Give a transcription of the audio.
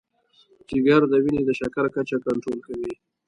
جگر د وینې د شکر کچه کنټرول کوي.